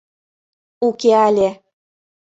Уке але...